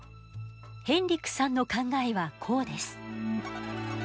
ヘンリックさんの考えはこうです。